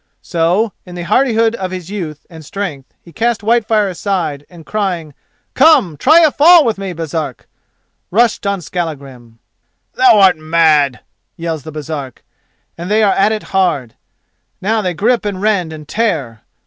So, in the hardihood of his youth and strength, he cast Whitefire aside, and crying "Come, try a fall with me, Baresark," rushed on Skallagrim. "Thou art mad," yells the Baresark, and they are at it hard. Now they grip and rend and tear.